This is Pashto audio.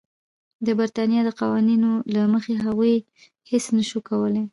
د برېټانیا د قوانینو له مخې هغوی هېڅ نه شوای کولای.